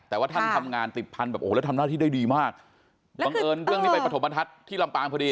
แต่ว่าท่านทำงานติดพันธุแบบโอ้โหแล้วทำหน้าที่ได้ดีมากบังเอิญเรื่องนี้ไปปฐมบรรทัศน์ที่ลำปางพอดี